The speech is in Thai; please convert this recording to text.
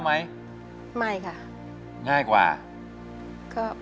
ไปยักษ์นานอย่างเดียวไปยักษ์นานอย่างเดียว